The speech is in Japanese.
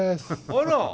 あら。